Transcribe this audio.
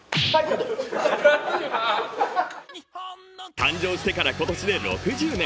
誕生してから今年で６０年。